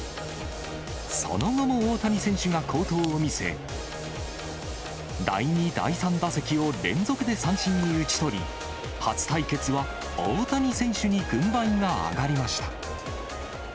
その後も大谷選手が好投を見せ、第２、第３打席を連続で三振に打ち取り、初対決は大谷選手に軍配が上がりました。